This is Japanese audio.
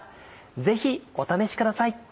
ぜひお試しください。